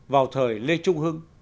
vào thời lê trung hưng